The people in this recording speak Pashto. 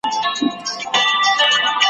چي لا پاته یو افغان وي چي ودان وي لا یو کلی ,